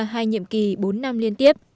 hai nhiệm kỳ bốn năm liên tiếp